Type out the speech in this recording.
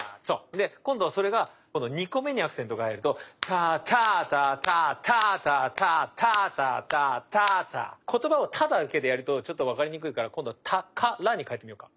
で今度はそれがこの２個目にアクセントが入るとタタタタタタタタタタタタ言葉を「タ」だけでやるとちょっと分かりにくいから今度は「タカラ」に変えてみようか。